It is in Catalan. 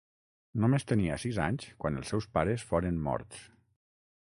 Només tenia sis anys quan els seus pares foren morts.